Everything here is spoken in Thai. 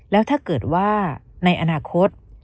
แล้วถ้าเกิดว่าในอนาคต